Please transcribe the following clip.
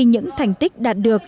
những thành tích đạt được